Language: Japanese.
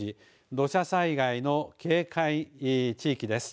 土砂災害の警戒地域です。